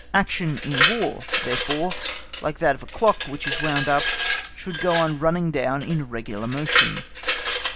Action in War, therefore, like that of a clock which is wound up, should go on running down in regular motion.